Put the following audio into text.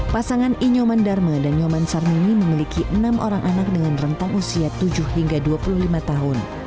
pasangan inyoman dharma dan nyoman sarmini memiliki enam orang anak dengan rentang usia tujuh hingga dua puluh lima tahun